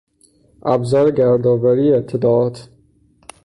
ابزار گردآوری اطلاعات.